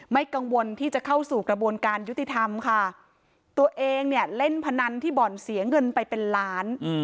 ไม่กังวลที่จะเข้าสู่กระบวนการยุติธรรมค่ะตัวเองเนี่ยเล่นพนันที่บ่อนเสียเงินไปเป็นล้าน